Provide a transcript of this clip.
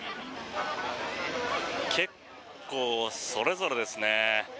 結構それぞれですね。